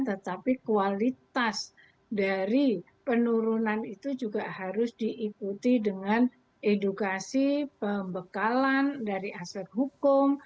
tetapi kualitas dari penurunan itu juga harus diikuti dengan edukasi pembekalan dari aspek hukum